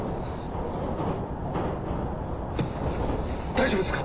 大丈夫ですか？